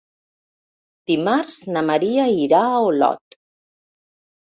Dimarts na Maria irà a Olot.